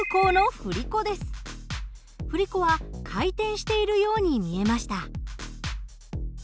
振り子は回転しているように見えました。